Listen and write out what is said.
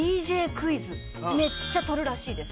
クイズめっちゃとるらしいです